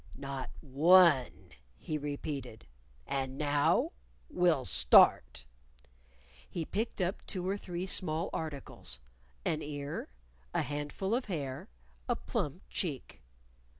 "Not one," he repeated. "And now we'll start." He picked up two or three small articles an ear, a handful of hair, a plump cheek.